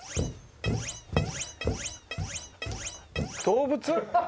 動物？